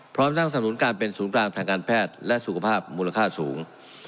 พร้อมสร้างสนุนการเป็นศูนย์กลางทางการแพทย์และสุขภาพมูลค่าสูง